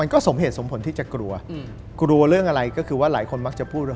กลัวเรื่องอะไรก็คือว่าหลายคนมักจะพูดว่า